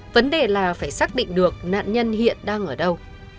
vấn đề là phải xác định được nạn nhân hiện đang ở đâu